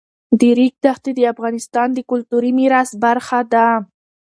د ریګ دښتې د افغانستان د کلتوري میراث برخه ده.